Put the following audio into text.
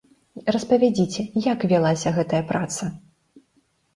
Распавядзіце, як вялася гэтая праца.